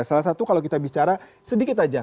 salah satu kalau kita bicara sedikit saja